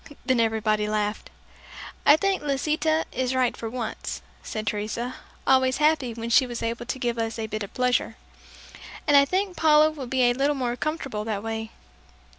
Then everybody laughed. "I think Lisita is right for once," said Teresa, always happy when she was able to give us a bit of pleasure; "and I think Paula will be a little more comfortable that way."